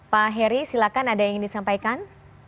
pak heri silakan ada yang ingin disampaikan